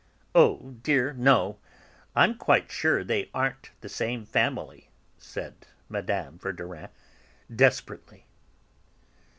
"Oh dear, no. I'm quite sure they aren't the same family," said Mme. Verdurin desperately.